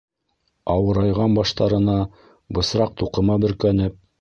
Ауырайған баштарына бысраҡ туҡыма бөркәнеп...